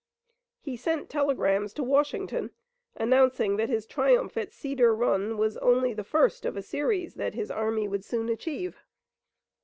He sent telegrams to Washington announcing that his triumph at Cedar Run was only the first of a series that his army would soon achieve.